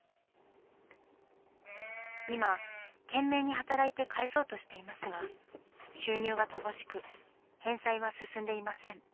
今懸命に働いて返そうとしていますが収入が乏しく返済は進んでいません。